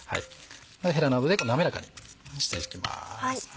へらなどで滑らかにしていきます。